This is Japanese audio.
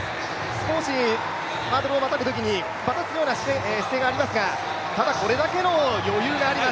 少しハードルをまたぐような姿勢がありますが、ただこれだけの余裕があります。